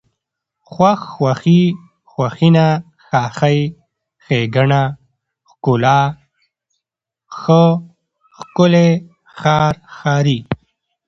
خوښ، خوښي، خوښېنه، خاښۍ، ښېګڼه، ښکلا، ښه، ښکلی، ښار، ښاري